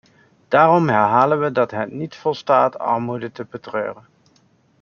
Daarom herhalen we dat het niet volstaat armoede te betreuren.